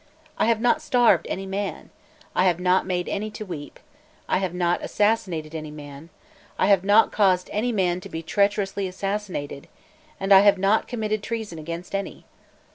I have not starved any man, I have not made any to weep, I have not assassinated any man, I have not caused any man to be treacherously assassinated, and I have not committed treason against any!